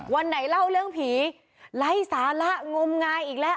วันไหนเล่าเรื่องผีไร้สาระงมงายอีกแล้ว